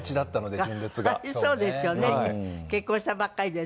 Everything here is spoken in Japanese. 可哀想ですよね結婚したばっかりでね。